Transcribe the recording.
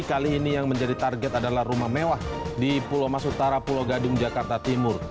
kali ini yang menjadi target adalah rumah mewah di pulau mas utara pulau gadung jakarta timur